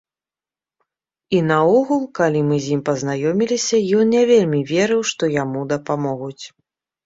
І наогул, калі мы з ім пазнаёміліся, ён не вельмі верыў, што яму дапамогуць.